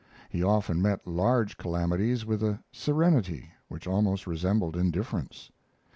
He often met large calamities with a serenity which almost resembled indifference.